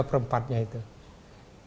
tiga per empat nya itu kita harus mencari